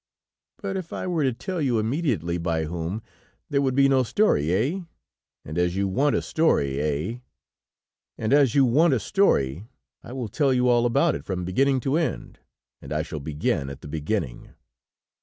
But if I were to tell you immediately by whom, there would be no story, eh? And as you want a story, eh? And as you want a story, I will tell you all about it from beginning to end, and I shall begin at the beginning.